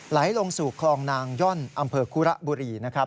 ไหลลงสู่คลองนางย่อนอำเภอคุระบุรีนะครับ